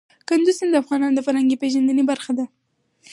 کندز سیند د افغانانو د فرهنګي پیژندنې برخه ده.